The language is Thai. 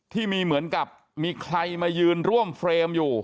ที่มีเหมือนกับมีใครมายืนร่วมเฟรมอยู่